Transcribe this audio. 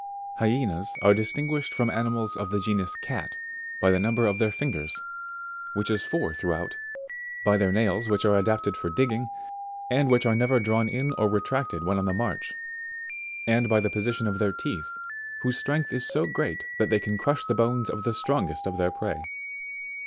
67. HYENAS, (I'laie 3, fig. 3,) are distinguished from animals of the genus CAT, by the number of their fingers, which is four throughout, by their nails which are adapted for digging, and which are never drawn in or retracted when on the march, and by the position of their teeth, whose strength is so great that they can crush the bones of the strongest of their prey.